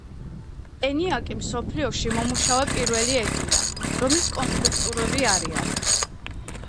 ენიაკი მსოფლიოში მომუშავე პირველი ეგმ-ია, რომლის კონსტრუქროტები არიან